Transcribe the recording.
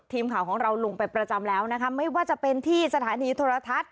ทีมข่าวของเราลงไปประจำแล้วนะคะไม่ว่าจะเป็นที่สถานีโทรทัศน์